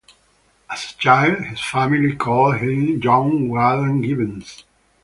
As a child, his family called him Young Galen Givens.